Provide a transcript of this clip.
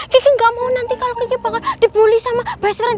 kiki gak mau nanti kalau kiki bakal dibully sama basaran